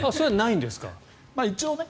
一応ね。